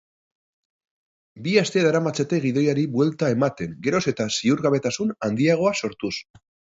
Bi aste daramatzate gidoiari buelta ematen, geroz eta ziurgabetasun handiagoa sortuz.